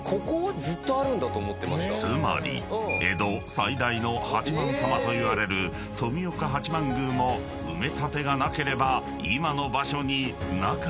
［つまり江戸最大の八幡様といわれる富岡八幡宮も埋め立てがなければ今の場所になかったのだ］